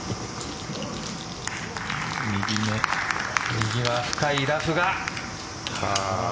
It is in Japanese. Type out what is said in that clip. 右は深いラフが。